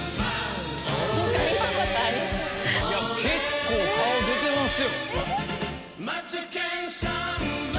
結構顔出てます。